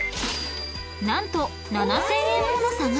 ［何と７，０００円もの差が］